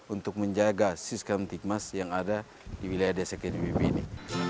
untuk menjaga siskam tikmas yang ada di wilayah desa kediwibi ini